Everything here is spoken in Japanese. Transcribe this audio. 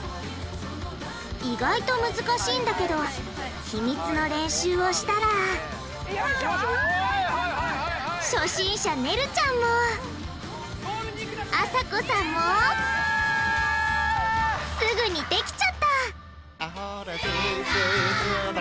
意外と難しいんだけど秘密の練習をしたら初心者ねるちゃんもあさこさんもすぐにできちゃった！